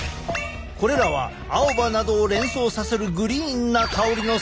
これらは青葉などを連想させるグリーンな香りの成分。